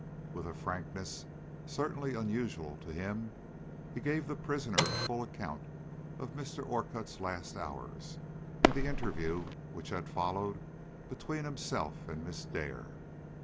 With a frankness certainly unusual to him, he gave the prisoner a full account of Mr. Orcutt's last hours, and the interview which had followed between himself and Miss Dare.